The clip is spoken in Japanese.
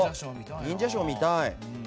忍者ショー見たい。